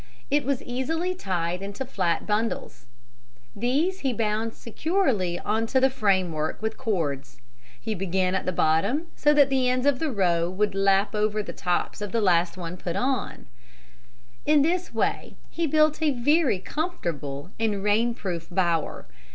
It was easily tied into flat bundles. These he bound securely on to the frame work with cords. He began at the bottom so that the ends of the row would lap over the tops of the last one put on. [Illustration: ROBINSON'S BOWER] In this way he built a very comfortable and rainproof bower.